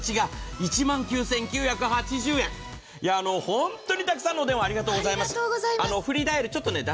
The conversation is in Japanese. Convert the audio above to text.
本当にたくさんのお電話ありがとうございます。